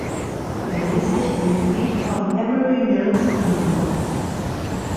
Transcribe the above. Er ließ sich im Gebiet von Emery Mills nieder.